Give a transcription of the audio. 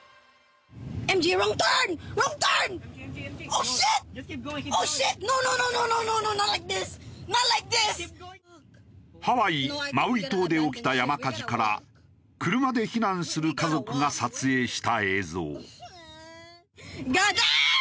突然の大雨でハワイマウイ島で起きた山火事から車で避難する家族が撮影した映像。